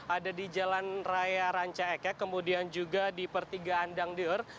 ada di jalan raya ranca ekek kemudian juga di pertiga andang dior